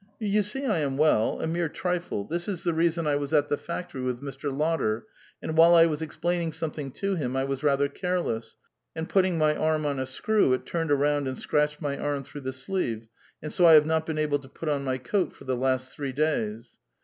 You see I am well ; a mere trifle ; this is the reason : I was at the factory with Mr. Lotter, and while I was explaining something to him, I was rather careless ; and putting my arm on a screw, it turned around and scratched niv arm through the sleeve, and so I have not been able to put on my coat for the last three days."